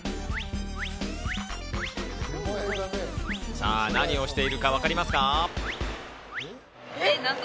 さあ、何をしているかわかりますか？